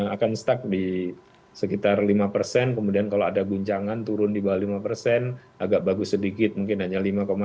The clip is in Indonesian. akan stuck di sekitar lima persen kemudian kalau ada guncangan turun di bawah lima persen agak bagus sedikit mungkin hanya lima enam